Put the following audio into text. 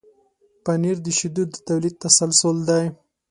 پنېر د شیدو د تولید تسلسل دی.